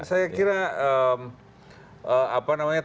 saya kira tarik menarik antara pak amin dan pak jokowi